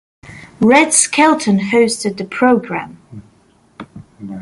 Red Skelton hosted the program.